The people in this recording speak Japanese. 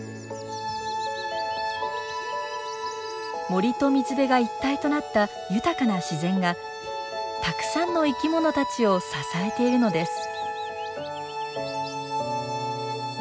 森と水辺が一体となった豊かな自然がたくさんの生き物たちを支えているのです。